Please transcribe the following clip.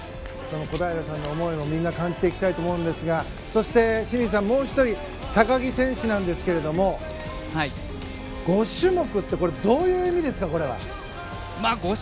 小平さんの思いをみんなで感じていきたいと思いますがそして清水さん、もう１人高木選手なんですけど５種目ってどういう意味ですか？